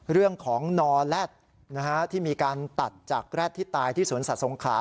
๒เรื่องของนอแรดที่มีการตัดจากแรดที่ตายที่สวนศาสนขา